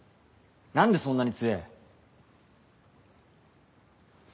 何でそんなに強えぇ？